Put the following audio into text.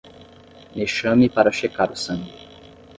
Me chame para checar o sangue